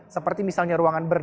seperti misalnya ruangan berdiri